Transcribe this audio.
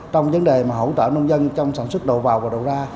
trong vấn đề mà hỗ trợ nông dân trong sản xuất đầu vào và đầu ra